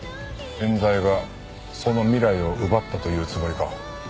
冤罪がその未来を奪ったと言うつもりか？